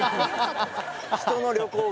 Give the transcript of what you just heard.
人の旅行が。